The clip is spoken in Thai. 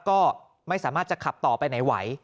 ก็ไม่สามารถจะขับต่อไปไหนไหว